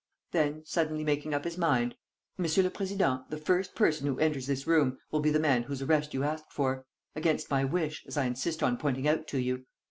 Then, suddenly making up his mind: "Monsieur le Président, the first person who enters this room will be the man whose arrest you asked for ... against my wish, as I insist on pointing out to you."